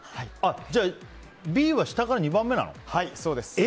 じゃあＢは下から２番目なのか。